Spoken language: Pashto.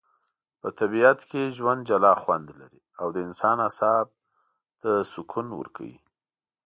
په طبیعت کي ژوند جلا خوندلري.او د انسان اعصاب ته سکون ورکوي